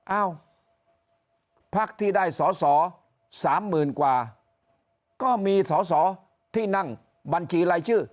เอ้าพักที่ได้สอสอ๓๐๐๐กว่าก็มีสอสอที่นั่งบัญชีรายชื่อ